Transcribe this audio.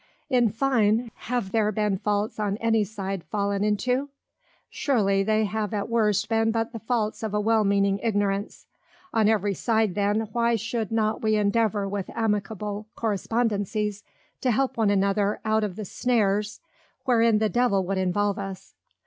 In fine, Have there been faults on any side fallen into? Surely, they have at worst been but the faults of a well meaning Ignorance. On every side then, why should not we endeavour with amicable Correspondencies, to help one another out of the Snares wherein the Devil would involve us?